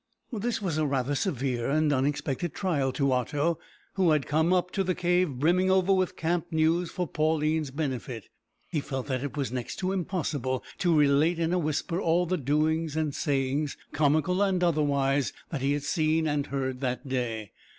This was a rather severe and unexpected trial to Otto, who had come up to the cave brimming over with camp news for Pauline's benefit. He felt that it was next to impossible to relate in a whisper all the doings and sayings, comical and otherwise, that he had seen and heard that day.